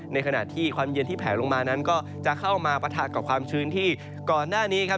ในขณะที่ความเย็นที่แผลลงมานั้นก็จะเข้ามาปะทะกับความชื้นที่ก่อนหน้านี้ครับ